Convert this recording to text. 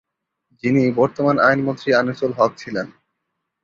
যিনি বর্তমান আইনমন্ত্রী আনিসুল হক ছিলেন।